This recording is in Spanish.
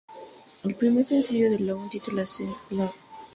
El primer sencillo del álbum se titula "Sweet and Low".